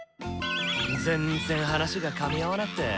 全然話がかみ合わなくて。